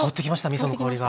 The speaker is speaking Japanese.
みその香りが。